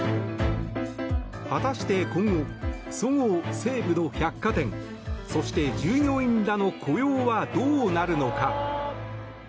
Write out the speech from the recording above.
果たして、今後そごう・西武の百貨店そして、従業員らの雇用はどうなるのか。